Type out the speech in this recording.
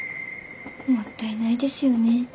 もったいないですよね。